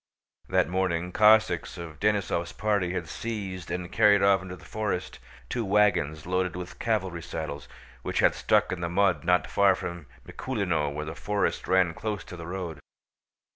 That morning, Cossacks of Denísov's party had seized and carried off into the forest two wagons loaded with cavalry saddles, which had stuck in the mud not far from Mikúlino where the forest ran close to the road.